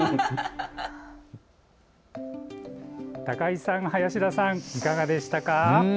高井さん、林田さん、いかがでしたか。